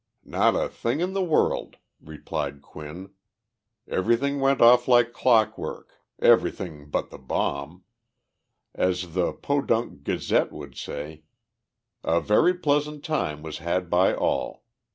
"Not a thing in the world," replied Quinn. "Everything went off like clockwork everything but the bomb. As the Podunk Gazette would say, 'A very pleasant time was had by all.'